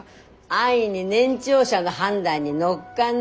安易に年長者の判断に乗っかんないの。